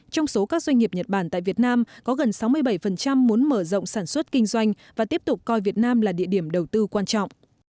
trong số các doanh nghiệp nhật bản tại việt nam có gần sáu mươi bảy muốn mở rộng sản xuất kinh doanh và tiếp tục coi việt nam là địa điểm đầu tư quan trọng